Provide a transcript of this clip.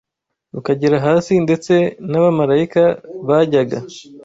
rukagera hasi ndetse n’abamarayika bajyaga